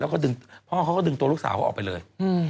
แล้วก็ดึงพ่อเขาก็ดึงตัวลูกสาวเขาออกไปเลย